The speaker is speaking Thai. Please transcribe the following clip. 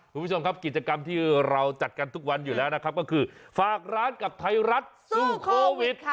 คุณผู้ชมครับกิจกรรมที่เราจัดกันทุกวันอยู่แล้วนะครับก็คือฝากร้านกับไทยรัฐสู้โควิด